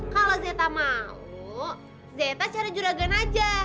kalo zeta mau zeta cari juragan aja